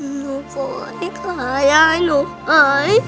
หนูขอให้ขาย่ายหนูขอให้